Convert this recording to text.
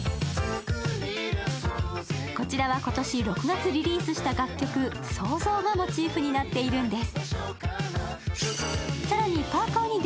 こちらは今年６月リリースした楽曲「創造」がモチーフになってるんです。